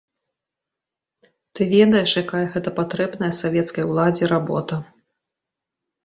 Ты ведаеш, якая гэта патрэбная савецкай уладзе работа.